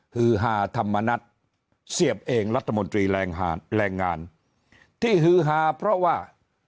ฮือฮาธรรมนัฐเสียบเองรัฐมนตรีแรงงานที่ฮือฮาเพราะว่า